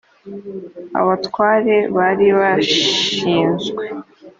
abatware bari bashinzwe